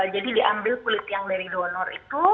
jadi diambil kulit yang dari donor itu